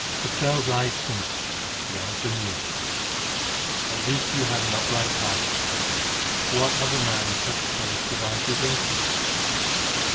Castell's eyes twinkled; the answer amused him. "At least you have an upright heart," he said, "for what other man in such a case would argue against himself?